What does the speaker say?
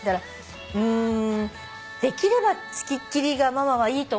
うーんできれば付きっきりがママはいいと思う。